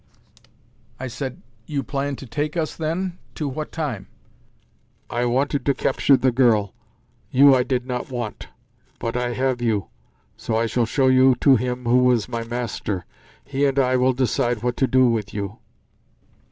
I said. "You plan to take us, then, to what Time?" "I wanted to capture the girl. You I did not want. But I have you, so I shall show you to him who was my master. He and I will decide what to do with you."